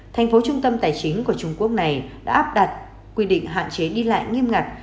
thành phố trung tâm tài chính của trung quốc này đã áp đặt quy định hạn chế đi lại nghiêm ngặt